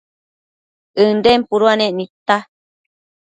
ënden puduanec nidta